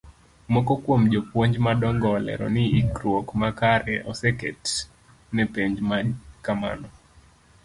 Moko kuom jo puonj madongo olero ni ikruok makare oseket ne penj makamano.